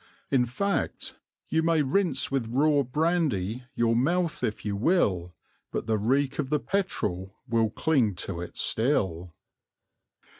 In fact You may rinse with raw brandy your mouth if you will, But the reek of the petrol will cling to it still.